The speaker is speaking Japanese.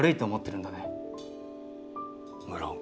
「無論。